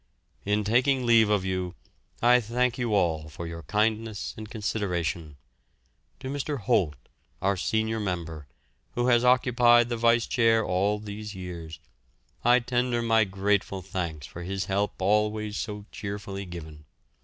In taking leave of you I thank you all for your kindness and consideration. To Mr. Holt, our senior member, who has occupied the vice chair all these years, I tender my grateful thanks for his help always so cheerfully given.